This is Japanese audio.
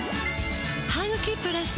「ハグキプラス」